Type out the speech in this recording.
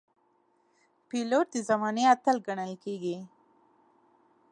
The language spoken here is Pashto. پیلوټ د زمانې اتل ګڼل کېږي.